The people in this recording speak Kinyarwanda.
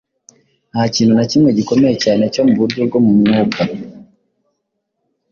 Nta kintu na kimwe gikomeye cyane cyo mu buryo bwo mu mwuka